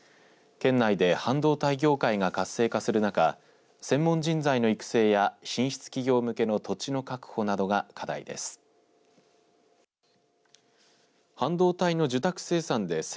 県内で半導体業界が活性化する中専門人材の育成や進出企業向けの土地の確保などが課題です。